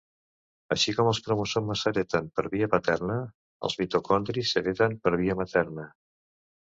Així com els cromosomes s'hereten per via paterna, els mitocondris s'hereten per via materna.